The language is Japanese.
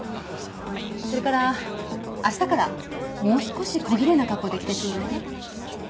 それから明日からもう少し小ぎれいな格好で来てちょうだいね。